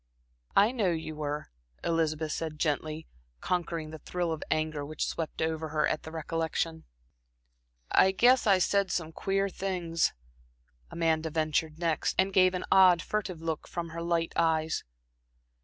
"I know you were," Elizabeth said gently, conquering the thrill of anger which swept over her at the recollection. "I guess I said some queer things," Amanda ventured next, and gave an odd, furtive look from her light eyes.